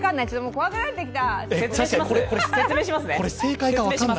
怖くなってきた！